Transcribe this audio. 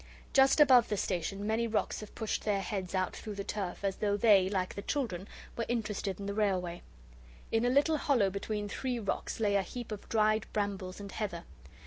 Just above the station many rocks have pushed their heads out through the turf as though they, like the children, were interested in the railway. In a little hollow between three rocks lay a heap of dried brambles and heather.